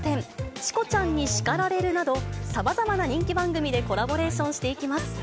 チコちゃんに叱られる！など、さまざまな人気番組でコラボレーションしていきます。